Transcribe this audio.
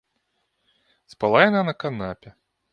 Спала яна на канапе.